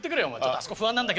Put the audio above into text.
「あそこ不安なんだけど」って。